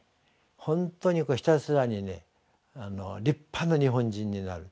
本当にひたすらにね立派な日本人になる。